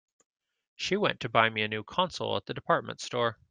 She went to buy me a new console at the department store.